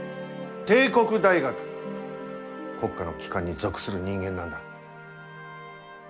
帝国大学国家の機関に属する人間なんだ。